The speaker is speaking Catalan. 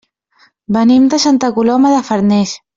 Venim de Santa Coloma de Farners.